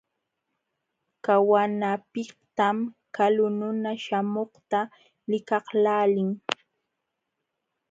Qawanapiqtam kalu nuna śhamuqta likaqlaalin.